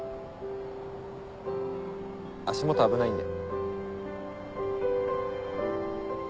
足元危ないんで。